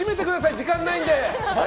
時間ないんで。